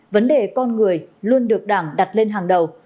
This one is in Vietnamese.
vấn đề con người luôn được đảng đặt lên hàng đầu